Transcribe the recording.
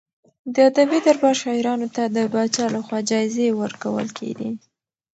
د ادبي دربار شاعرانو ته د پاچا لخوا جايزې ورکول کېدې.